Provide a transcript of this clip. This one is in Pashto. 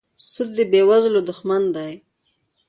سود د بېوزلو دښمن دی.